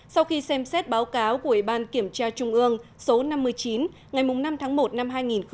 sau khi xem xét báo cáo của ủy ban kiểm tra trung ương số năm mươi chín ngày năm tháng một năm hai nghìn một mươi chín